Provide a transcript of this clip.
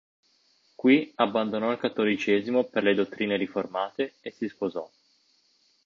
Qui abbandonò il cattolicesimo per le dottrine riformate e si sposò.